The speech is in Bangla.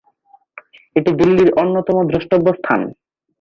এটি দিল্লির অন্যতম দ্রষ্টব্য স্থান।